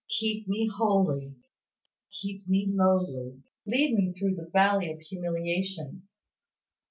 Keep me holy. Keep me lowly. Lead me through the valley of humiliation.